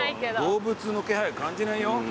動物の気配感じないよ。